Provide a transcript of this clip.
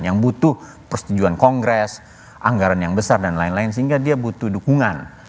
yang butuh persetujuan kongres anggaran yang besar dan lain lain sehingga dia butuh dukungan